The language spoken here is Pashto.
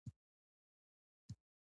هغه یو بد لمنی پاچا پیژندل کیږي.